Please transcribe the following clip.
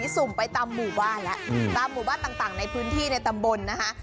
สุ่มไปตามหมู่บ้านแล้วตามหมู่บ้านต่างในพื้นที่ในตำบลนะคะ